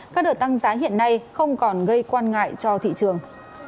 các đợt tăng giá hiện nay không còn gây quan ngại cho thị trường